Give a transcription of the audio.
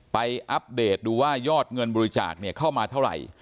อัปเดตดูว่ายอดเงินบริจาคเข้ามาเท่าไหร่